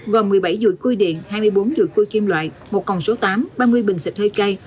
gồm một mươi bảy dùi khui điện hai mươi bốn dùi khui kim loại một còng số tám ba mươi bình xịt hơi cay